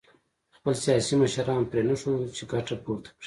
خپل سیاسي مشران پرېنښودل چې ګټه پورته کړي